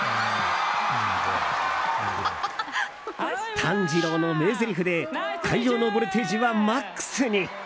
炭治郎の名ぜりふで会場のボルテージはマックスに！